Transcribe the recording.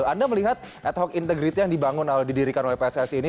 anda melihat ad hoc integrity yang dibangun atau didirikan oleh pssi ini